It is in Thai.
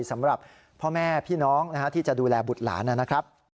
สำหรับพ่อแม่พี่น้องที่จะดูแลบุตรหลานนะครับ